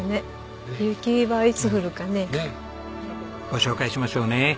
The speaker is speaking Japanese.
ご紹介しましょうね。